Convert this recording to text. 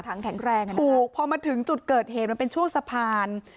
ถูกพอมาถึงจุดเกิดเหตุเป็นช่วงสะพาน